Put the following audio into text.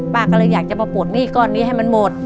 ป้าก็เลยอยากจะมาปลดหนี้ก้อนนี้ให้มันหมด